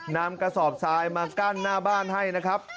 นำกระสอบทรายมากั้นหน้าบ้านให้นะครับ